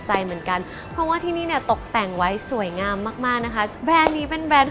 ใจเหมือนกันเพราะว่าที่นี่เนี่ยตกแต่งไว้สวยงามมากมากนะคะแบรนด์นี้เป็นแบรนด์